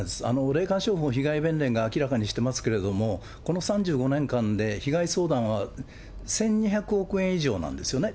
霊感商法被害弁連が明らかにしてますけれども、この３５年間で、被害相談は１２００億円以上なんですよね。